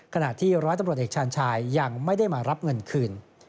ขณะที่ร้อยตำรวจเอกชาญชายยังไม่ได้มารับเงินคืน